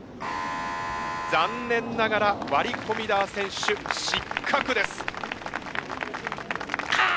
残念ながらワリ・コミダー選手失格です。かあ！